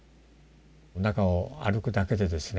中を歩くだけでですね